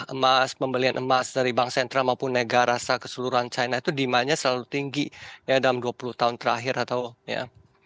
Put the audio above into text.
emas pembelian emas dari bank sentral maupun negarasa keseluruhan china itu demandnya selalu tinggi dalam dua puluh tahun terakhir atau ya